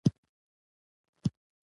پښه یې په تيږو بنده شوه.